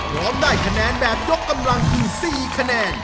ร้องได้คะแนนแบบยกกำลังคือ๔คะแนน